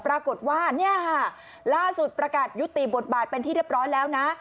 ปรากฏว่าเนี่ยค่ะล่าสุดประกาศยุติบทบาทเป็นที่เรียบร้อยแล้วนะ